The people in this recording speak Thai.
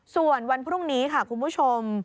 ส่วนวันพรุ่งนี้ค่ะคุณผู้ชม